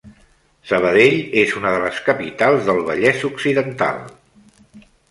Sabadell és una de les capitals del Vallès Occidental.